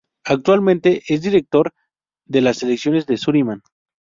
Actualmente es director de selecciones de Surinam.